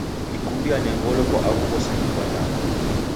Dikumbiane ngolo kwa agho ghose dibpnyagha.